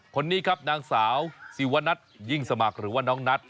คนนี้ครับนางสาวสิวนัทยิ่งสมัครหรือว่าน้องนัท